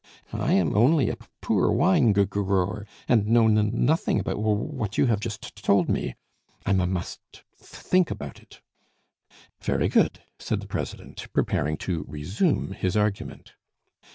"I'm only a p p poor wine g grower, and know n nothing about wh what you have just t told me; I m m must th think about it." "Very good," said the president, preparing to resume his argument.